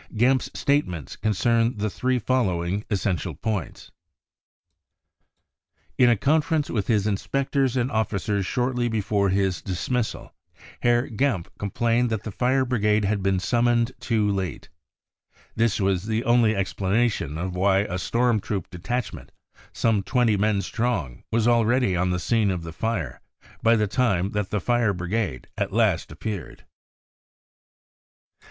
Gempp's statements concerned the three following essential points :" In a conference with his inspectors and officers shortly before his dismissal, Herr Gernpp complained that the fire brigade had been summoned too late. This was the only explanation of why a storm troop detachment some twenty men strong was already on the scene of the fire by the time that the fire brigade at last appeared.